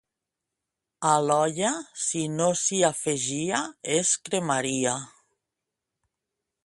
A l'olla, si no s'hi afegia, es cremaria.